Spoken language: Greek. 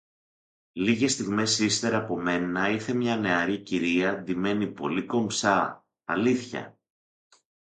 Λίγες στιγμές ύστερ’ από μένα ήρθε μια νεαρή κυρία ντυμένη πολύ κομψά αλήθεια,